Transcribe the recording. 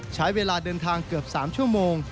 ใช้เวลาเดินทางเกือบ๓ชั่วโมง